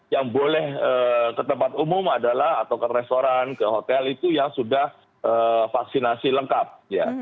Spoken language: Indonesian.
yang boleh ke tempat umum adalah atau ke restoran ke hotel itu yang sudah vaksinasi lengkap ya